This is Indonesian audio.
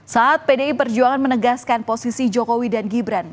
saat pdi perjuangan menegaskan posisi jokowi dan gibran